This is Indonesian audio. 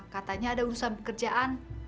katanya ada urusan pekerjaan